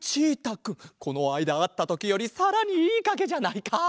このあいだあったときよりさらにいいかげじゃないか！